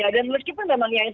dan meskipun memang yang sesuai